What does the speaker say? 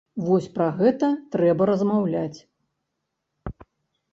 Вось пра гэта трэба размаўляць.